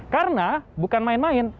karena bukan main main